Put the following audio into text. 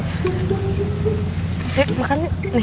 yuk makan nih